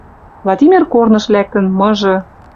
Владимир корныш лӓктӹн, мыжы.